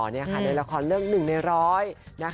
ในละครเรื่องหนึ่งในร้อย